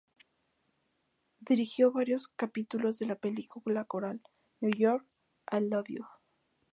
Dirigió varios capítulos de la película coral "New York, I Love You".